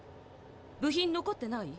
部品残ってない？